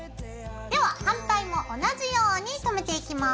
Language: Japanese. では反対も同じようにとめていきます。